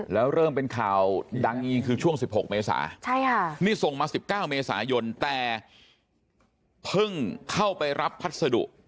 แล้วเริ่มเป็นข่าวดังจริงคือช่วง๑๖เมษานี่ส่งมา๑๙เมษายนแต่เพิ่งเข้าไปรับพัสดุ